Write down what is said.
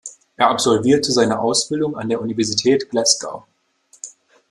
Er absolvierte seine Ausbildung an der Universität Glasgow.